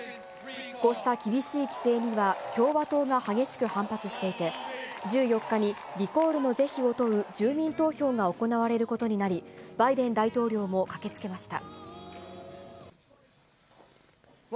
こうした厳しい規制には共和党が激しく反発していて、１４日にリコールの是非を問う住民投票が行われることになり、バイデン大統領も駆けつけました。